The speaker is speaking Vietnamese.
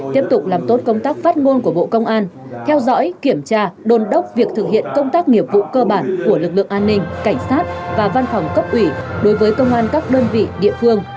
tiếp tục làm tốt công tác phát ngôn của bộ công an theo dõi kiểm tra đôn đốc việc thực hiện công tác nghiệp vụ cơ bản của lực lượng an ninh cảnh sát và văn phòng cấp ủy đối với công an các đơn vị địa phương